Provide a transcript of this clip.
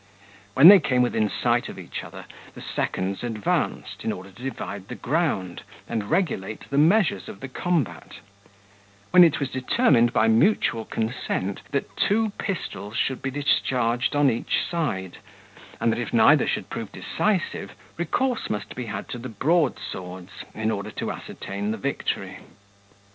When they came within sight of each other, the seconds advanced, in order to divide the ground, and regulate the measures of the combat; when it was determined by mutual consent, that two pistols should be discharged on each side, and that if neither should prove decisive, recourse must be had to the broad swords, in order to ascertain the victory.